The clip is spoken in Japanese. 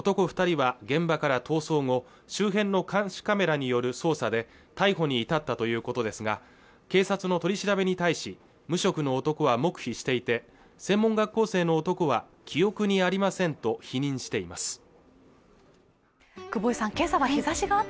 二人は現場から逃走後周辺の監視カメラによる捜査で逮捕に至ったということですが警察の取り調べに対し無職の男は黙秘していて専門学校生の男は記憶にありませんと否認しています